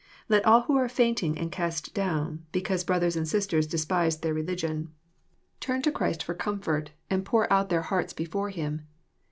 ''Let all who are fainting and cast down, because brothers and sisters despise their religion, turn to Christ for com JOHN, CHAP. vn. 3 fort, and pour oat their hearts before Him.